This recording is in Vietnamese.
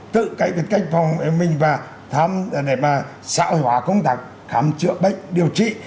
tự cách phòng vệ mình và tham gia để mà xã hội hóa công tạc khám chữa bệnh điều trị